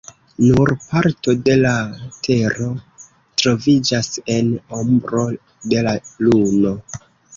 Nur parto de la tero troviĝas en ombro de la luno.